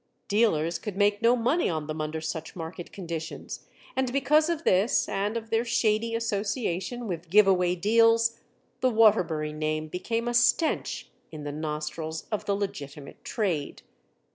Dealers could make no money on them under such market conditions and, because of this and of their shady association with give away deals, the Waterbury name became a stench in the nostrils of the legitimate trade.